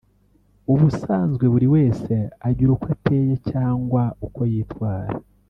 Ubusanzwe buri wese agira uko ateye cyangwa uko yitwara